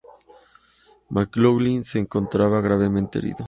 McLoughlin se encontraba gravemente herido.